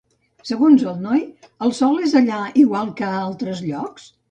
Segons el noi, el sol d'allà és igual que a altres llocs?